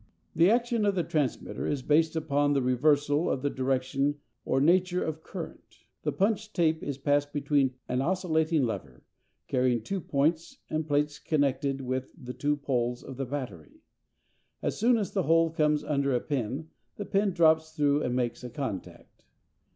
The action of the transmitter is based upon the reversal of the direction or nature of current. The punched tape is passed between an oscillating lever, carrying two points, and plates connected with the two poles of the battery. As soon as a hole comes under a pin the pin drops through and makes a contact.